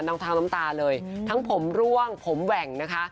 ทั้งน้ำตาเลยทั้งผมร่วงผมแหว่งนะคะ